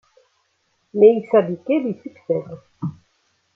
Meïssa Bigué lui succède.